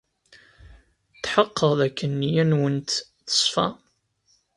Tḥeqqeɣ dakken nneyya-nwent teṣfa.